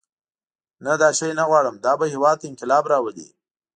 نه دا شی نه غواړم دا به هېواد ته انقلاب راولي.